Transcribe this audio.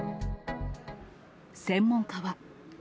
専門家は。